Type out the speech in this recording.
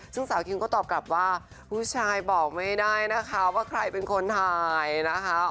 ซึ่งสาวคิงก็ตอบกลับว่าผู้ชายบอกไม่ได้นะคะว่าใครเป็นคนถ่ายนะคะ